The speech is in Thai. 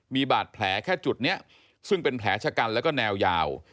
มีบาดแผลแค่จุดนี้ซึ่งเป็นแผลชะกันแล้วก็แนวยาว